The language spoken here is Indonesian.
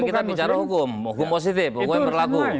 kita bicara hukum hukum positif hukum yang berlaku